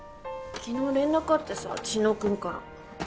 昨日連絡あってさ知野君から。